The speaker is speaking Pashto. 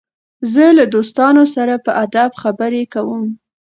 زه له دوستانو سره په ادب خبري کوم.